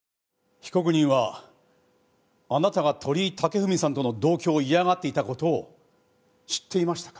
被告人はあなたが鳥居武文さんとの同居を嫌がっていた事を知っていましたか？